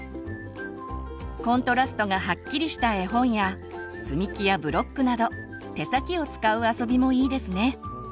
コントラストがはっきりした絵本や積み木やブロックなど手先を使う遊びもいいですね。